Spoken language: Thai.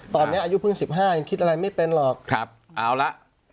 ตอนเนี้ยอายุเพิ่งสิบห้ายังคิดอะไรไม่เป็นหรอกครับเอาละ